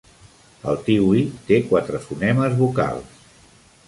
El "tiwi" té quatre fonemes vocals.